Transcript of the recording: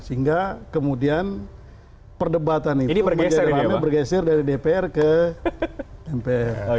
sehingga kemudian perdebatan itu bergeser dari dpr ke mpr